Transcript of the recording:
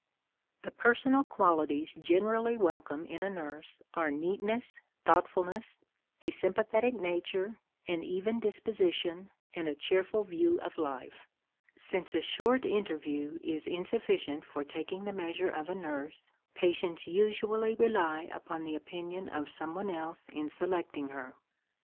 The personal qualities generally welcome in a nurse are neatness, thoughtfulness, a sympathetic nature, an even disposition, and a cheerful view of life. Since a short interview is insufficient for taking the measure of a nurse, patients usually rely upon the opinion of someone else in selecting her.